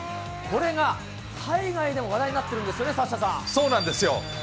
これが海外でも話題になってるんそうなんですよ。